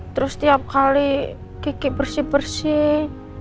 terus setiap kali kiki bersih bersih